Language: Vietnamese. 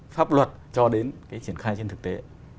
pháp luật cho đến cái triển khai trên thực tế